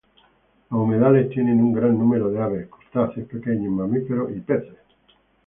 Los humedales tienen un gran número de aves, crustáceos, pequeños mamíferos y peces.